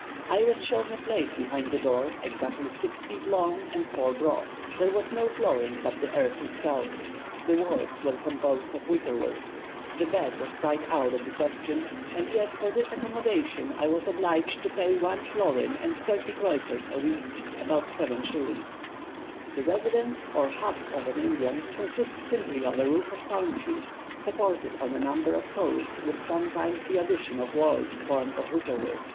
I was shown a place behind the door, exactly six feet long and four broad. There was no flooring but the earth itself; the walls were composed of wicker work; a bed was quite out of the question, and yet for this accommodation I was obliged to pay one florin and thirty kreutzers a week (about 7s.) The residence or hut of an Indian consists simply of a roof of palm trees, supported on a number of poles, with sometimes the addition of walls formed of wicker work.